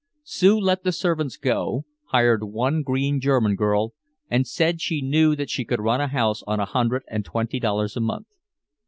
Sue let the servants go, hired one green German girl and said she knew she could run the house on a hundred and twenty dollars a month.